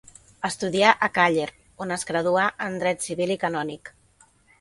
Estudià a Càller, on es graduà en dret civil i canònic.